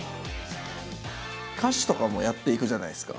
歌手とかもやっていくじゃないですか。